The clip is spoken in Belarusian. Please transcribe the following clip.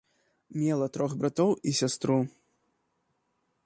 Мела трох братоў і сястру.